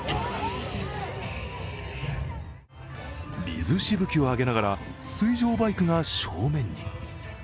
水しぶきを上げながら水上バイクが正面に。